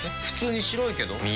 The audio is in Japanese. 普通に白いけど。